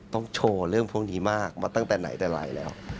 ต้องโชว์เรื่องพวกนี้มากมาตั้งแต่ไหนแต่ไรแล้ว